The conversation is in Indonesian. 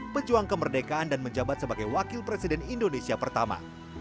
pejuang kemerdekaan dan menjabat sebagai wakil presiden indonesia pertama